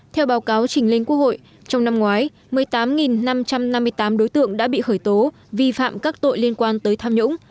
theo báo cáo trình lên quốc hội trong năm ngoái một mươi tám năm trăm năm mươi tám đối tượng đã bị khởi tố vi phạm các tội liên quan tới tham nhũng